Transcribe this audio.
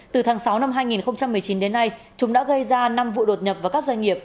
từ tháng sáu năm hai nghìn một mươi chín đến nay chúng đã gây ra năm vụ đột nhập vào các doanh nghiệp